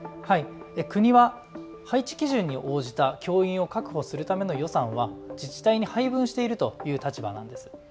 国は配置基準に応じた教員を確保するための予算は自治体に配分しているという立場なんです。